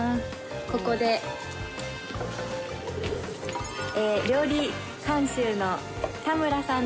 ここで料理監修の田村さん